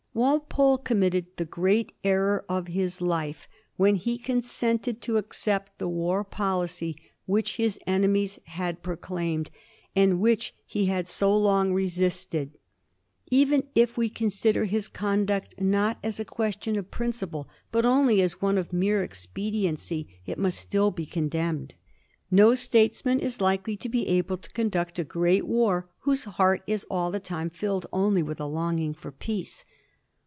Walpole committed the great error of his life when he consented to accept the war policy which his enemies had proclaimed, and which he had so long resisted. Even if we consider his conduct not as a question of principle, but only as one of mere expediency, it must still be con demned. No statesman is likely to be able to conduct a great war whose heart is all the time filled only with a longing for peace.